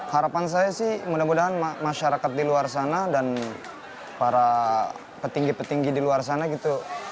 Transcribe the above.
harapan saya sih mudah mudahan masyarakat di luar sana dan para petinggi petinggi di luar sana gitu